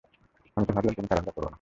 আমি তো ভাবলাম তুমি তাড়াহুড়ো করো না।